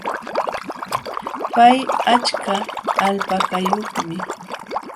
Pay achka alpakayuqmi.